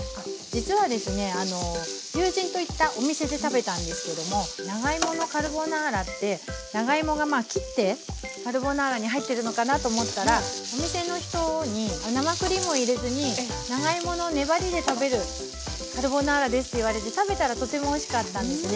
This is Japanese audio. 実はですね友人と行ったお店で食べたんですけども長芋のカルボナーラって長芋がまあ切ってカルボナーラに入ってるのかなと思ったらお店の人に生クリームを入れずに長芋の粘りで食べるカルボナーラですって言われて食べたらとてもおいしかったんですね。